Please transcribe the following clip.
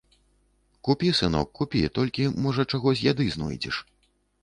Купі, сынок, купі, толькі, можа, чаго з яды знойдзеш.